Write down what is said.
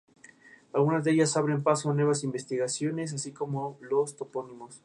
Algunas de ellas abren paso a nuevas investigaciones, así como los topónimos.